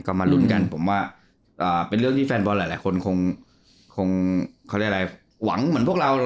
ก็มาลุ้นกันผมว่าเป็นเรื่องที่แฟนบอลหลายคนคงวังเหมือนพวกเรา